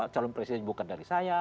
calon presiden bukan dari saya